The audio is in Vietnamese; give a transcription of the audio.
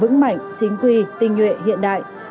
vững mạnh chính quy tinh nhuệ hiện đại